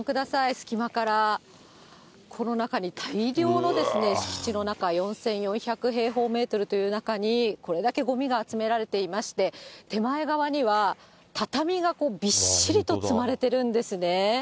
隙間から、この中に大量の敷地の中、４４００平方メートルという中に、これだけごみが集められていまして、手前側には畳がこう、びっしりと積まれてるんですね。